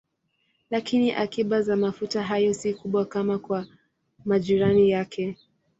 Lakini akiba za mafuta hayo si kubwa kama kwa majirani yake.